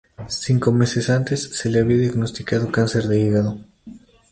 Cinco meses antes se le había diagnosticado cáncer de hígado.